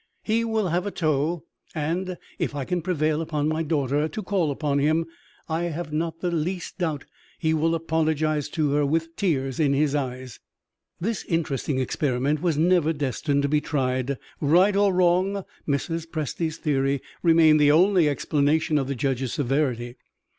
He will have a toe; and, if I can prevail upon my daughter to call upon him, I have not the least doubt he will apologize to her with tears in his eyes." This interesting experiment was never destined to be tried. Right or wrong, Mrs. Presty's theory remained the only explanation of the judge's severity.